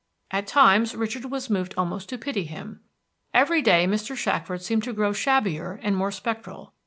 At times Richard was moved almost to pity him. Every day Mr. Shackford seemed to grow shabbier and more spectral.